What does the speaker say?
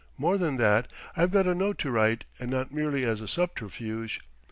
More than that, I've got a note to write and not merely as a subterfuge.